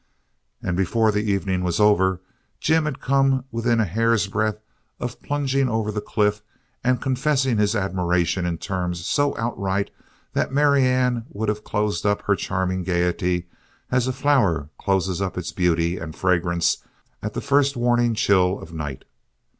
And before the evening was over, Jim had come within a hair's breadth of plunging over the cliff and confessing his admiration in terms so outright that Marianne would have closed up her charming gaiety as a flower closes up its beauty and fragrance at the first warning chill of night.